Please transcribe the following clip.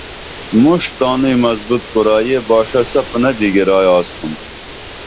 موݜٹھ تانوئی مضبوط کُرا یہ باݜہ سپُنہ بِگیرائی آڅتُھم